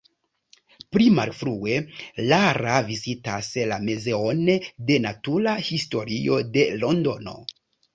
Pli malfrue, Lara vizitas la muzeon de natura historio de Londono.